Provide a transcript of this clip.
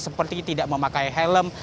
seperti tidak memakai helm